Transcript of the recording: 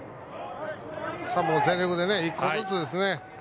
全力で１個ずつですね。